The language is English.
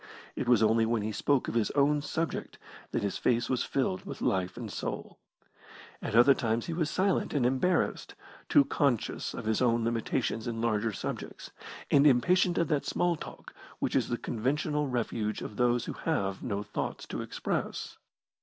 It was only when he spoke of his own subject that his face was filled with life and soul. At other times he was silent and embarrassed, too conscious of his own limitations in larger subjects, and impatient of that small talk which is the conventional refuge of those who have no thoughts to express.